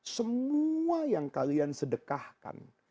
semua yang kalian sedekahkan